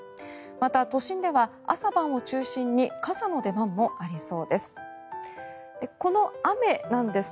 また、都心では朝晩を中心に傘の出番もありそうです。